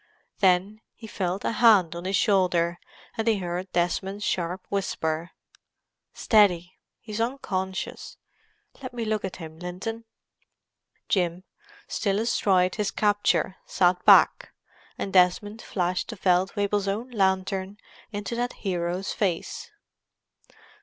Then he felt a hand on his shoulder, and heard Desmond's sharp whisper. "Steady—he's unconscious. Let me look at him, Linton." Jim, still astride his capture, sat back, and Desmond flashed the Feldwebel's own lantern into that hero's face.